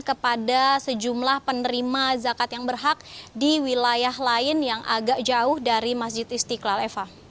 kepada sejumlah penerima zakat yang berhak di wilayah lain yang agak jauh dari masjid istiqlal eva